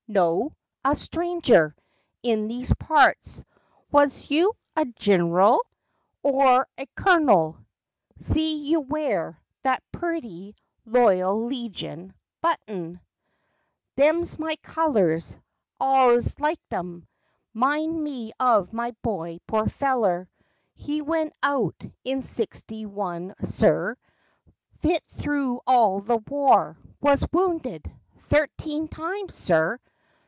No ! A stranger In these parts. Was you a gin'rul? Or a kurnul ? See you wear that Purty loyal legion button. FACTS AND FANCIES. 47 Them's my colors. All'ys liked 'em! Mind me of my boy—pore feller! He went out in sixty one, sir; Fit through all the war; was wounded Thirteen times, sir!